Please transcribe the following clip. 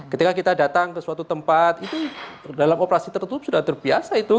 ketika kita datang ke suatu tempat itu dalam operasi tertutup sudah terbiasa itu